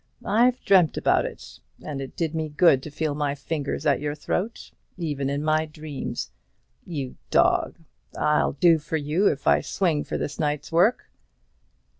I've dreamt about it; and it did me good to feel my fingers at your throat, even in my dreams. You dog! I'll do for you, if I swing for this night's work."